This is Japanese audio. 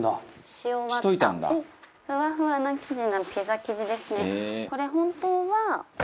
ふわふわな生地のピザ生地ですね。